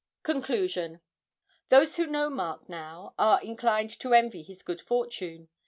CONCLUSION. Those who know Mark now are inclined to envy his good fortune.